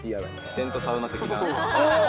テントサウナ的な。